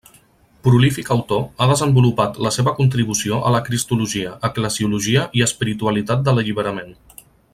Prolífic autor, ha desenvolupat la seva contribució a la cristologia, eclesiologia i espiritualitat de l'alliberament.